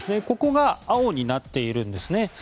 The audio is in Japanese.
ここが青になっているんですね。